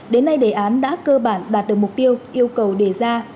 đến nay đề án đã cơ bản đạt được mục tiêu yêu cầu đề ra